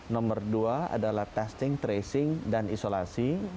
nomor dua adalah testing tracing dan isolasi